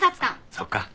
そっか。